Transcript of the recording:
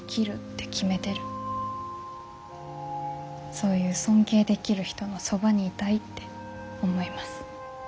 そういう尊敬できる人のそばにいたいって思います。